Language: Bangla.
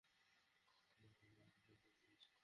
মনে মনে সেও অনেক ভয় পেয়েছে!